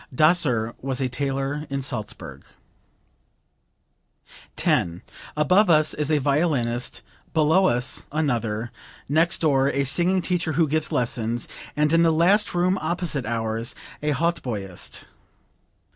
Daser was a tailor in Salzburg.) 10. "Above us is a violinist, below us another, next door a singing teacher who gives lessons, and in the last room opposite ours, a hautboyist.